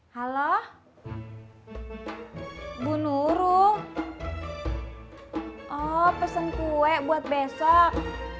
halo bu nurul oh pesen kue buat besok